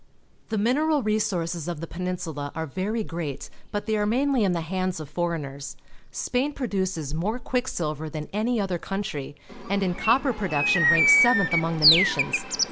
The mineral resources of the Peninsula are very great, but they are mainly in the hands of foreigners. Spain produces more quick silver than any other country, and in copper production ranks seventh among the nations.